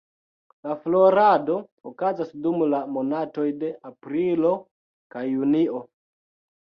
La florado okazas dum la monatoj de aprilo kaj junio.